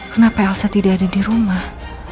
kenapa elsa tidak ada di rumah